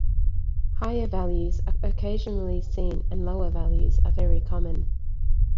Higher values are occasionally seen and lower values are very common.